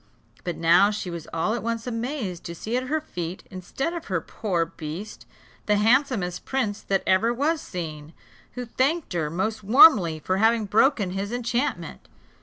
But now she was all at once amazed to see at her feet, instead of her poor beast, the handsomest prince that ever was seen, who thanked her most warmly for having broken his enchantment.